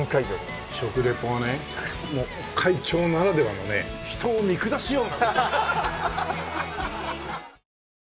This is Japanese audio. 食リポがねもう会長ならではのね人を見下すような。